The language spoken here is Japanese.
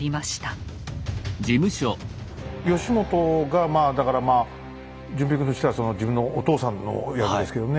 義元がまあだから淳平君としては自分のお父さんの役ですけどね。